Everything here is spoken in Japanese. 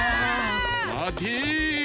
まて！